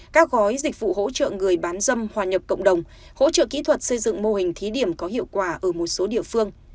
các gói dịch vụ hỗ trợ người bán dâm hòa nhập cộng đồng hỗ trợ kỹ thuật xây dựng mô hình thí điểm có hiệu quả ở một số địa phương